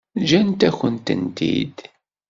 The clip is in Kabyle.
Ǧǧant-akent-tent-id.